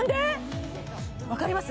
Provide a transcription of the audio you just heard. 分かります？